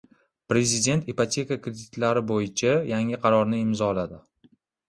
Prezident ipoteka kreditlari bo‘yicha yangi qarorni imzoladi